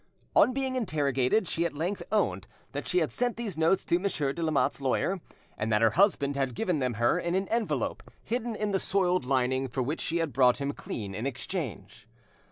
On being interrogated, she at length owned that she had sent these notes to Monsieur de Lamotte's lawyer, and that her husband had given them her in an envelope hidden in the soiled linen for which she had brought him clean in exchange.